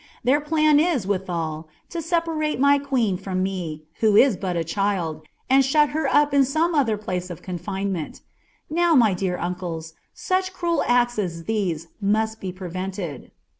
Their plan is, withal, to separate oiv quew RW me, who is but a child, and shut her up in some other gilace of coafa^ menL Now, my dear uncles, such cruel acts as these tnut bt p^ Tented.'